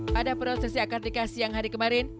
pada prosesi akartika siang hari kemarin